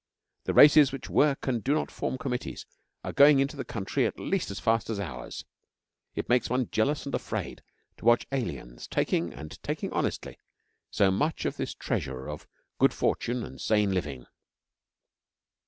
The races which work and do not form Committees are going into the country at least as fast as ours. It makes one jealous and afraid to watch aliens taking, and taking honestly, so much of this treasure of good fortune and sane living.